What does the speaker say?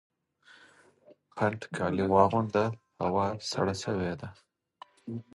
پنډ کالي واغونده ! هوا سړه سوې ده